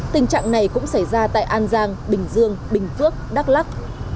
tình trạng này cũng xảy ra tại an giang bình dương bình phước đắk lắc